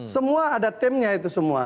semua ada timnya itu semua